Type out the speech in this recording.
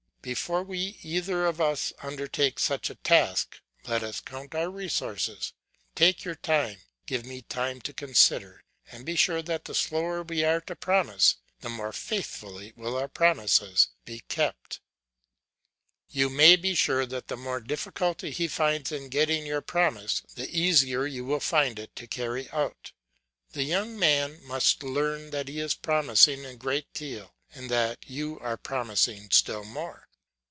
Before we either of us undertake such a task, let us count our resources; take your time, give me time to consider, and be sure that the slower we are to promise, the more faithfully will our promises be kept." You may be sure that the more difficulty he finds in getting your promise, the easier you will find it to carry it out. The young man must learn that he is promising a great deal, and that you are promising still more.